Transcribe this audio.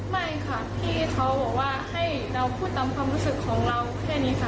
ไม่ค่ะพี่เขาบอกว่าให้เราพูดตามความรู้สึกของเราแค่นี้ค่ะ